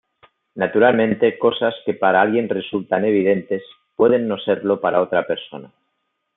Naturalmente, cosas que para alguien resultan evidentes, pueden no serlo para otra persona.